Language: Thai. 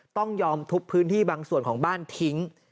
ต้องยอมทุบพื้นที่บางส่วนของบ้านทิ้ง